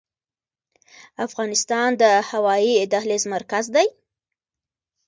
افغانستان د هوایي دهلیز مرکز دی؟